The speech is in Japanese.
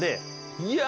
いや！